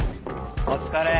お疲れ。